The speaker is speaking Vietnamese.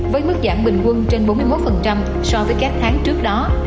với mức giảm bình quân trên bốn mươi một so với các tháng trước đó